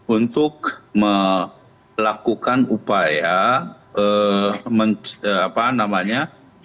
untuk melakukan upaya